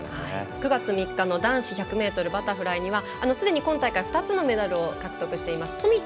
９月３日の男子のバタフライにはすでに今大会２つの金メダルを獲得している富田